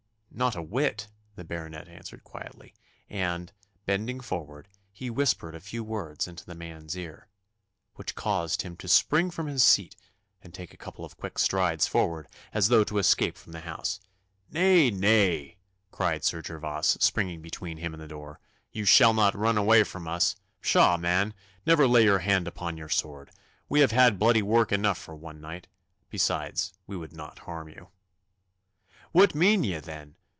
'Not a whit,' the Baronet answered quietly, and, bending forward, he whispered a few words into the man's ear, which caused him to spring from his seat and take a couple of quick strides forward, as though to escape from the house. 'Nay, nay!' cried Sir Gervas, springing between him and the door, 'you shall not run away from us. Pshaw, man! never lay your hand upon your sword. We have had bloody work enough for one night. Besides, we would not harm you.' 'What mean ye, then?